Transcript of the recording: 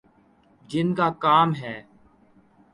جن کا کام ہے۔